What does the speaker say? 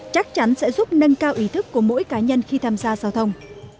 chắc chắn sẽ giúp nâng cao ý thức của mỗi cá nhân khi tham gia giao thông